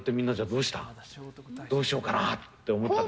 どうしようかなと思った？